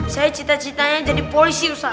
saya cita citanya jadi polisi usaha